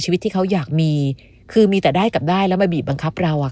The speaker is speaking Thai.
ชีวิตที่เขาอยากมีคือมีแต่ได้กับได้แล้วมาบีบบังคับเราอ่ะ